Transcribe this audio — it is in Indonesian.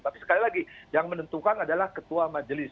tapi sekali lagi yang menentukan adalah ketua majelis